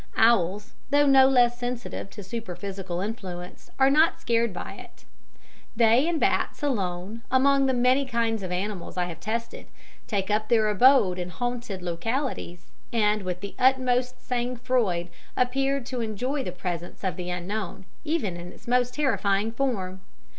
Owls, though no less sensitive to superphysical influence, are not scared by it; they and bats, alone among the many kinds of animals I have tested, take up their abode in haunted localities, and with the utmost sang froid appear to enjoy the presence of the Unknown, even in its most terrifying form.